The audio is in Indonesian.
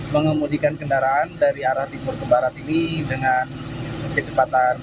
mengemudikan kendaraan dari arah timur ke barat ini dengan kecepatan